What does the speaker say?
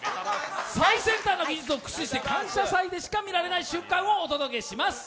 最先端の技術を駆使して「感謝祭」でしか見られない瞬間をお届けします。